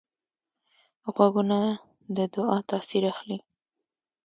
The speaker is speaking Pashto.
غوږونه د دعا تاثیر اخلي